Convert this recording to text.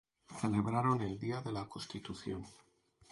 Celebrando el Día de la Constitución